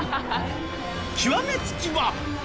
極めつきは。